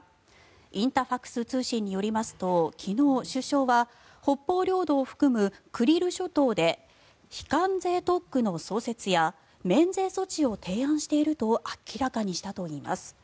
インタファクス通信によりますと昨日、首相は北方領土を含むクリル諸島で非関税特区の創設や免税措置を提案していると明らかにしたといいます。